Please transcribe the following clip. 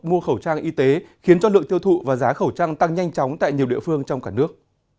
mua khẩu trang y tế khiến cho lượng tiêu thụ và giá khẩu trang tăng nhanh chóng tại nhiều địa phương trong cả nước